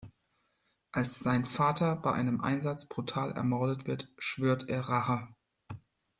Als sein Vater bei einem Einsatz brutal ermordet wird, schwört er Rache.